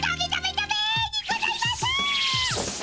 ダメにございます！